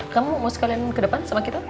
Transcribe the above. kamu mau sekalian ke depan sama kita